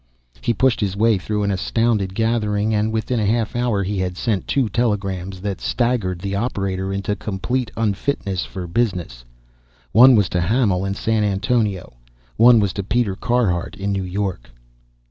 He pushed his way through an astounded gathering, and within a half hour he had sent two telegrams that staggered the operator into complete unfitness for business; one was to Hamil in San Antonio; one was to Peter Carhart in New York.